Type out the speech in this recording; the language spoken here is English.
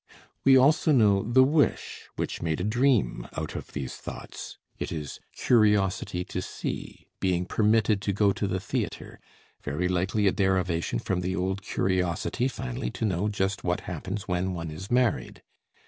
We also know the wish, which made a dream out of these thoughts it is "curiosity to see," being permitted to go to the theatre, very likely a derivation from the old curiosity finally to know just what happens when one is married.